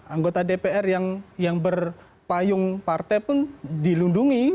anggota dpr yang berpayung partai pun dilindungi